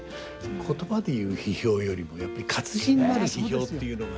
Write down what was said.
言葉で言う批評よりもやっぱり活字になる批評っていうのが。